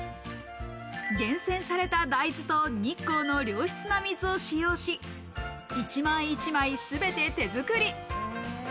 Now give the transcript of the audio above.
厳選された大豆と日光の良質な水を使用し、一枚一枚すべて手づくり。